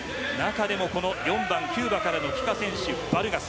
中でも４番、キューバからの選手バルガス。